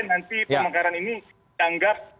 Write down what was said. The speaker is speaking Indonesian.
nanti pemekaran ini dianggap